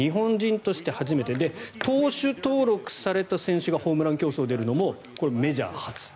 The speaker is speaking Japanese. そして、投手登録された選手がホームラン競争出るのもメジャー初と。